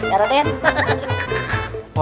hahaha yaudah deh